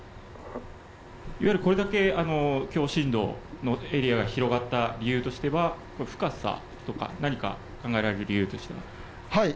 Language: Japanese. いわゆるこれだけ強震動のエリアが広がった理由としては深さとか何か考えられる理由としては。